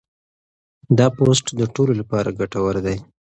دا پوسټ د ټولو لپاره ګټور دی.